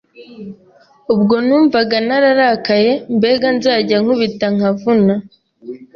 Ubwo numvaga nararakaye, mbega nzajya nkubita nkanavuna